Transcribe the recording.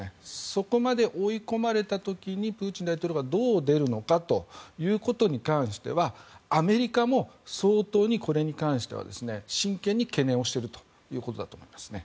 そこまで追い込まれた時にプーチン大統領がどう出るのかということに関してはアメリカも相当にこれに関しては真剣に懸念をしているということだと思いますね。